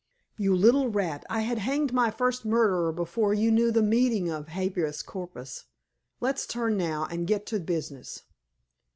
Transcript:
"You little rat, I had hanged my first murderer before you knew the meaning of habeas corpus! Let's turn now, and get to business."